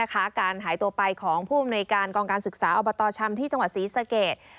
การหายตัวไปของผู้อำนวยการกองการศึกษาอบตชำที่จังหวัดศรีสเกต